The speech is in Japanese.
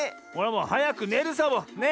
もうはやくねるサボ！ね。